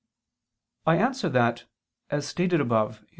I answer that, As stated above (Q.